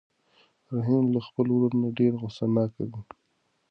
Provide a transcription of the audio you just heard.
رحیم له خپل ورور نه ډېر غوسه ناک دی.